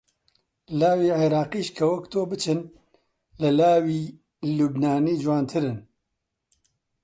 لاوی عێراقیش کە وەک تۆ بچن، لە لاوی لوبنانی جوانترن